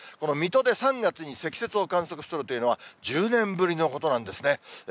水戸で３月に積雪を観測するというのは１０年ぶりのことなんですね。